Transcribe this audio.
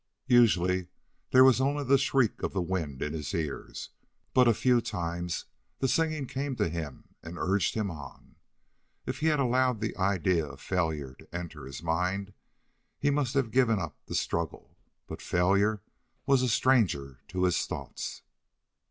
Usually there was only the shriek of the wind in his ears, but a few times the singing came to him and urged him on. If he had allowed the idea of failure to enter his mind, he must have given up the struggle, but failure was a stranger to his thoughts.